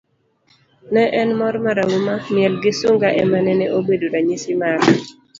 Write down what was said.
ne en mor marahuma, miel gi sunga ema nene obedo ranyisi mare